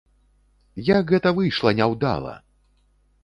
Як гэта выйшла няўдала!